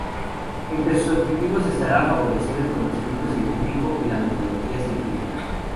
Entre sus objetivos estará favorecer el conocimiento científico y la metodología científica.